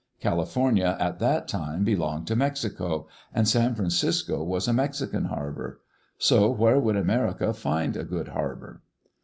California at that time belonged to Mexico, and San Francisco was a Mexican harbor. So where would America find a good harbor?